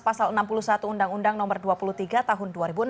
pasal enam puluh satu undang undang nomor dua puluh tiga tahun dua ribu enam